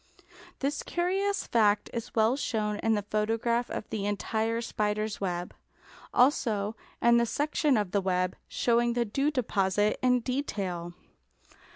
This curious fact is well shown in the photograph of the entire spider's web, also in the section of a web, showing the dew deposit in detail.